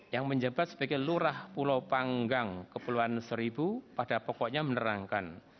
yang menjabat sebagai lurah pulau panggang kepulauan seribu pada pokoknya menerangkan